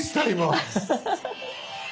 アハハハ。